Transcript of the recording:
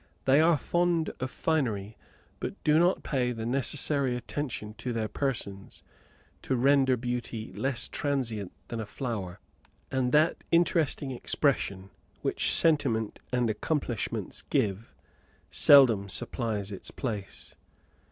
They are fond of finery, but do not pay the necessary attention to their persons, to render beauty less transient than a flower, and that interesting expression which sentiment and accomplishments give seldom supplies its place.